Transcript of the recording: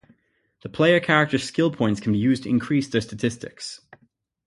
The player character's skill points can be used to increase their statistics.